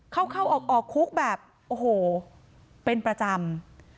เข้าเข้าออกออกคุกแบบโอ้โหเป็นประจำ